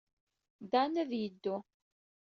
Dan ad yebdu.